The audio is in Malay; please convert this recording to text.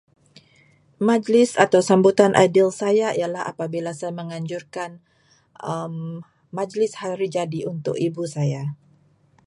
Majlis atau sambutan ideal saya ialah apabila saya menganjurkan majlis hari jadi untuk ibu saya.